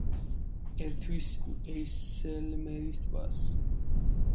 ერთვის ეისელმერის ტბას.